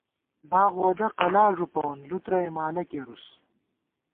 باغ وودہ قلا ݫُوپَوون ، لُترَئے مالہ کېرُوس